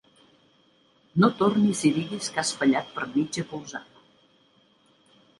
No tornis i diguis que has fallat per mitja polzada.